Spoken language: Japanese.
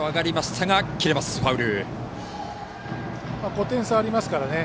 ５点差ありますからね。